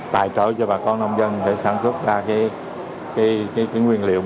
tài trợ cho bà con nông dân để sản xuất ra nguyên liệu